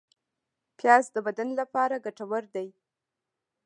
پیاز د بدن لپاره ګټور دی